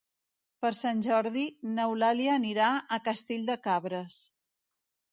Per Sant Jordi n'Eulàlia anirà a Castell de Cabres.